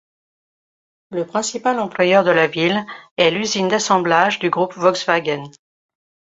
Le principal employeur de la ville est l'usine d'assemblage du groupe Volkswagen.